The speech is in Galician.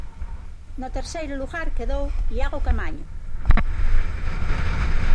No terceiro lugar quedou Iago Caamaño.